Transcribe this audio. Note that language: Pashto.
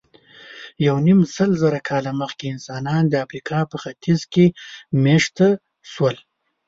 یونیمسلزره کاله مخکې انسانان د افریقا په ختیځ کې مېشته شول.